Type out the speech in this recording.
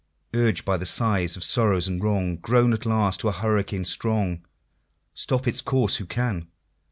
Urged by the sighs of sorrow and wrong, Grown at last to a hurricane strong, Stop its course who can!